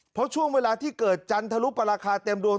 เพราะช่วงเวลาที่เกิดจันทรุปราคาเต็มดวง